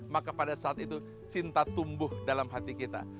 maka pada saat itu cinta tumbuh dalam hati kita